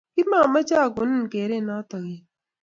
kimameche agonin geret noto yaa